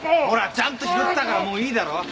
ほらちゃんと拾ったからもういいだろ。